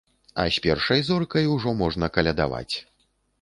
А з першай зоркай ужо можна калядаваць.